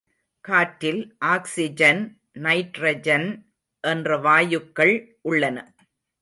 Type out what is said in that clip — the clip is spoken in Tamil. காற்றில் ஆக்ஸிஜன், நைட்ரஜன் என்ற வாயுக்கள் உள்ளன.